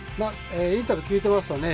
インタビュー聞いてますとね